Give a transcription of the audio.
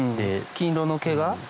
金色の毛が？